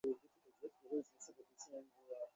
বাড়ির একটা অস্বাভাবিক স্তব্ধ আবহাওয়া স্পষ্ট অনুভব করা যায়।